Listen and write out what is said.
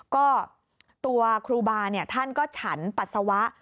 ก็ตัวครูบาท่านก็ฉันปัสสาวะ